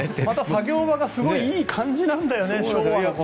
作業場がまたすごいいい感じなんだよね。